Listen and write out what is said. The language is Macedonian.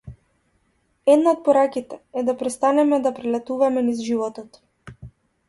Една од пораките е да престанеме да прелетуваме низ животот.